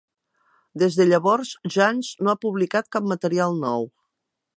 Des de llavors, Janz no ha publicat cap material nou.